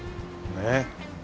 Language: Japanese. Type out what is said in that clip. ねえ。